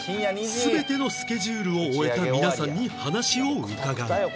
全てのスケジュールを終えた皆さんに話を伺う